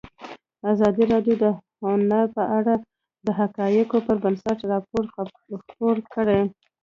ازادي راډیو د هنر په اړه د حقایقو پر بنسټ راپور خپور کړی.